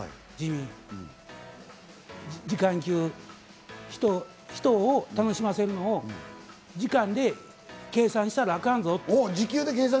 肉食べて、ジミー、時間給、人を楽しませるのを時間で計算したら、あかんぞと。